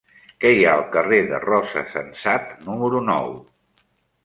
Què hi ha al carrer de Rosa Sensat número nou?